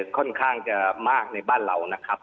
ค่อนข้างจะมากในบ้านเรานะครับ